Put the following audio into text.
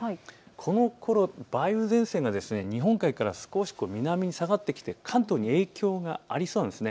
このころ梅雨前線が日本海から少し南から下がってきて関東に影響がありそうなんです。